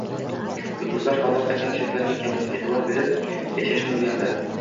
Yulduzlar hozirda kamchiliklariga kamroq e’tibor berib yashashni o‘rgandi